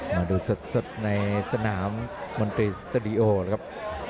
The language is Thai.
มาดูสดในสนามมนตรีสตูดิโอนะครับ